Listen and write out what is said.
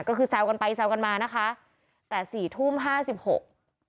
ก็คือแซวกันไปแซวกันมานะคะแต่สี่ทุ่มห้าสิบหก